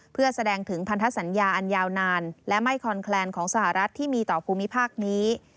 เพื่อแสดงถึงพันธสัญญาอันยาวนานและไม่คอนแคลนของสหรัฐที่มีต่อภูมิภาคนี้